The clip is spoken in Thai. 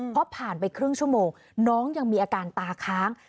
พอผ่านไปครึ่งชั่วโมงน้องยังมีอาการตาค้าง